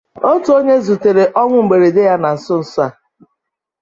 Otu onye zutere ọnwụ mberede ya na nsonso a